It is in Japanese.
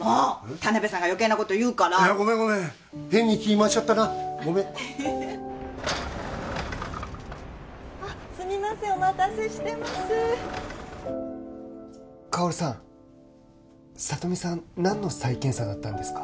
田辺さんが余計なこと言うからいやごめんごめん変に気ぃ回しちゃったなごめんあっすみませんお待たせしてます香さん聡美さん何の再検査だったんですか？